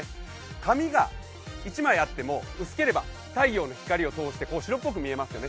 紙が１枚あっても薄ければ太陽の光を通して白っぽく見えますよね